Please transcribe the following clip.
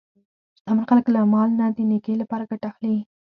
شتمن خلک له مال نه د نیکۍ لپاره ګټه اخلي.